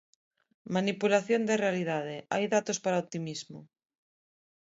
Manipulación da realidade: hai datos para o optimismo.